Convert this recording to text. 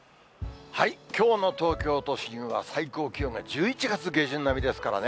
きょうの東京都心は、最高気温が１１月下旬並みですからね。